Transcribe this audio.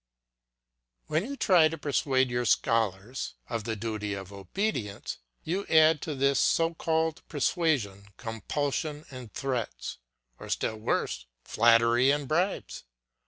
When you try to persuade your scholars of the duty of obedience, you add to this so called persuasion compulsion and threats, or still worse, flattery and bribes.